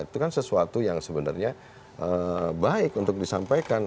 itu kan sesuatu yang sebenarnya baik untuk disampaikan